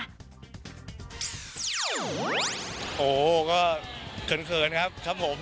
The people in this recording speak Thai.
โอ้โหก็เขินครับครับผม